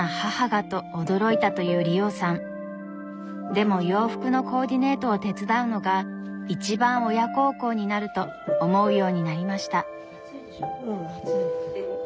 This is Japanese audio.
でも洋服のコーディネートを手伝うのが一番親孝行になると思うようになりました。